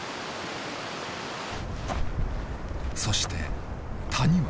そして谷は。